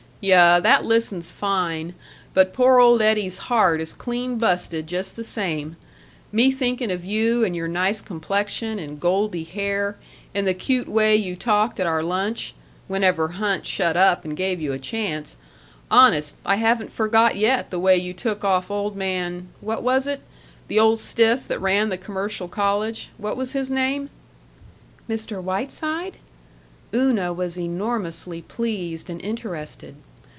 "Yuh, that listens fine, but poor old Eddie's heart is clean busted just the same me thinking of you and your nice complexion and goldie hair and the cute way you talked at our lunch whenever Hunt shut up and gave you a chance honest, I haven't forgot yet the way you took off old man what was it? the old stiff that ran the commercial college, what was his name?" "Mr. Whiteside?" Una was enormously pleased and interested.